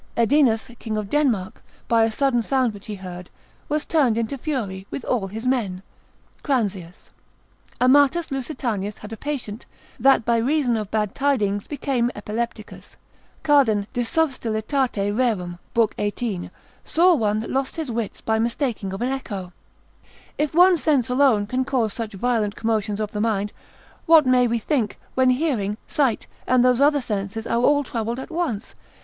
Edinus king of Denmark, by a sudden sound which he heard, was turned into fury with all his men, Cranzius, l. 5, Dan. hist. and Alexander ab Alexandro l. 3. c. 5. Amatus Lusitanus had a patient, that by reason of bad tidings became epilepticus, cen. 2. cura 90, Cardan subtil. l. 18, saw one that lost his wits by mistaking of an echo. If one sense alone can cause such violent commotions of the mind, what may we think when hearing, sight, and those other senses are all troubled at once?